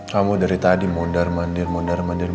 kamu dari tadi mondar mandir mondar mandir